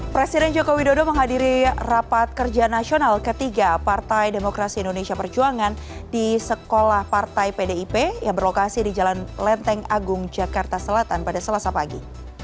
presiden jokowi dodo menghadiri rapat kerja nasional ketiga partai demokrasi indonesia perjuangan di sekolah partai pdip yang berlokasi di jalan lenteng agung jakarta selatan pada selasa pagi